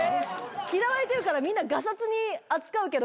嫌われてるからみんながさつに扱うけどきょん